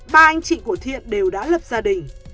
ba anh chị của thiện đều đã lập gia đình